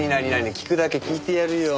聞くだけ聞いてやるよ。